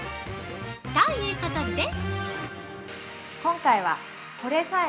ということで！